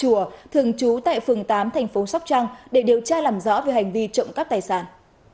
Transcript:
phát trăng thường trú tại phường tám tp sóc trăng để điều tra làm rõ về hành vi trộm các tài sản